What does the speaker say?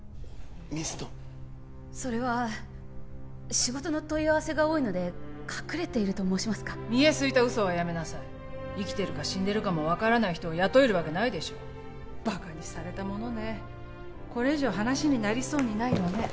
水野それは仕事の問い合わせが多いので隠れていると申しますか見え透いた嘘はやめなさい生きてるか死んでるかも分からない人を雇えるわけないでしょバカにされたものねこれ以上話になりそうにないわね